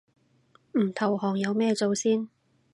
唔投降有咩做先